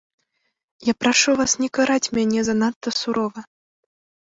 Я прашу вас не караць мяне занадта сурова.